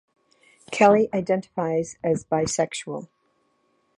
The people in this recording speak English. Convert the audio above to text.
Kelly identifies as bisexual.